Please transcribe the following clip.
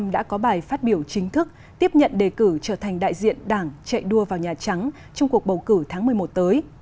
đã có bài phát biểu chính thức tiếp nhận đề cử trở thành đại diện đảng chạy đua vào nhà trắng trong cuộc bầu cử tháng một mươi một tới